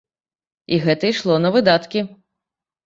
І гэта ішло на выдаткі.